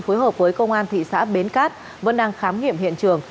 phối hợp với công an thị xã bến cát vẫn đang khám nghiệm hiện trường